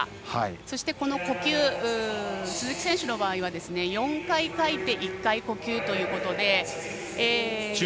そして、呼吸鈴木選手の場合は４回かいて１回呼吸ということで。